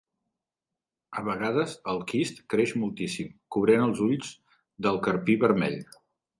A vegades el quist creix moltíssim, cobrint els ulls del carpí vermell.